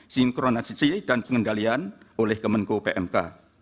sinkronisasi dan pengendalian oleh kemenko pmk